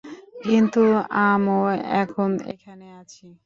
কিন্তু আমও এখন এখানে আছি।